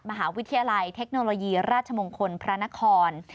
มหาวิทยาลัยเทคโนโลยีราชมงคลพระนคร